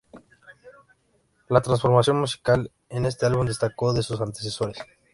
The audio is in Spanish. La transformación musical en este álbum destacó de sus antecesores.